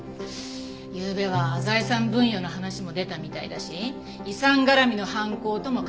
夕べは財産分与の話も出たみたいだし遺産絡みの犯行とも考えられる。